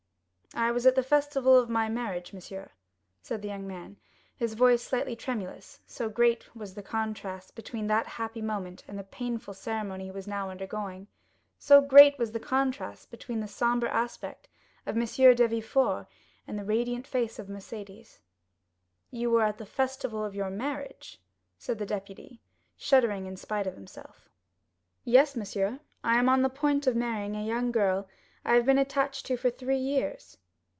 "I was at the festival of my marriage, monsieur," said the young man, his voice slightly tremulous, so great was the contrast between that happy moment and the painful ceremony he was now undergoing; so great was the contrast between the sombre aspect of M. de Villefort and the radiant face of Mercédès. "You were at the festival of your marriage?" said the deputy, shuddering in spite of himself. "Yes, monsieur; I am on the point of marrying a young girl I have been attached to for three years."